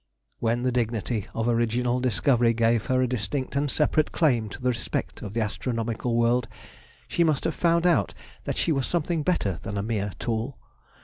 When the dignity of original discovery gave her a distinct and separate claim to the respect of the astronomical world, she must have found out that she was something better than a mere tool.